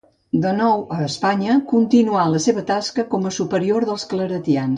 De nou a Espanya, continuà la seva tasca com a superior dels claretians.